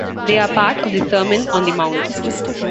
They are part of the Sermon on the Mount.